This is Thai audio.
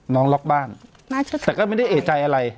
ล็อกบ้านแต่ก็ไม่ได้เอกใจอะไร